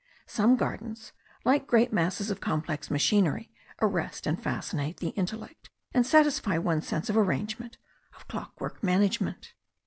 Some gardens, like great masses of complex machinery, arrest and fascinate the intellect, and satisfy one's sense of arrangement, of clockwork management.